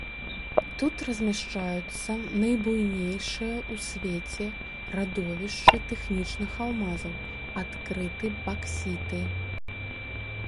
Тут размяшчаюцца найбуйнейшыя ў свеце радовішчы тэхнічных алмазаў, адкрыты баксіты.